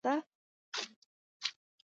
آیا سړک او اوبه شته؟